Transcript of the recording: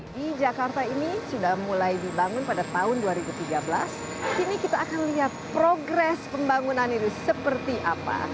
di jakarta ini sudah mulai dibangun pada tahun dua ribu tiga belas ini kita akan lihat progres pembangunan ini seperti apa